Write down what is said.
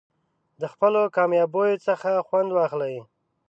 د خپلو کامیابیو څخه خوند واخلئ.